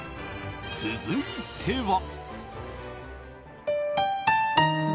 続いては。